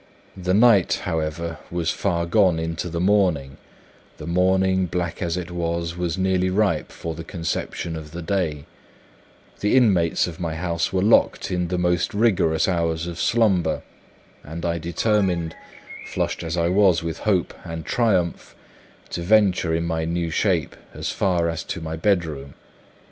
The night however, was far gone into the morning—the morning, black as it was, was nearly ripe for the conception of the day—the inmates of my house were locked in the most rigorous hours of slumber; and I determined, flushed as I was with hope and triumph, to venture in my new shape as far as to my bedroom.